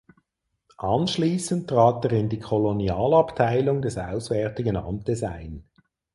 Anschließend trat er in die Kolonialabteilung des Auswärtigen Amtes ein.